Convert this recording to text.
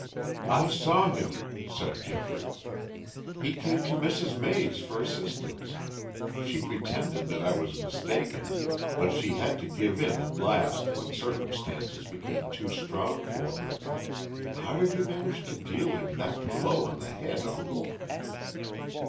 "I saw him," said Geoffrey. "He came to Mrs. May's for assistance. She pretended that I was mistaken, but she had to give in at last when circumstances became too strong for her. How did you manage to deal him that blow on the head, uncle?"